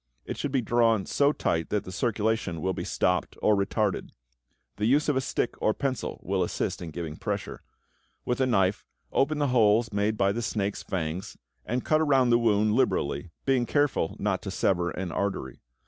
It should be drawn so tight that the circulation will be stopped or retarded. The use of a stick or pencil will assist in giving pressure. With a knife, open the holes made by the snake's fangs and cut around the wound liberally, being careful not to sever an artery.